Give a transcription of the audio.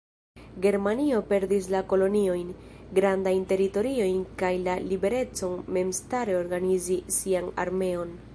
Germanio perdis la koloniojn, grandajn teritoriojn kaj la liberecon memstare organizi sian armeon.